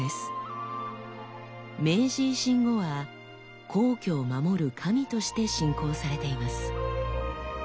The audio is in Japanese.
明治維新後は皇居を守る神として信仰されています。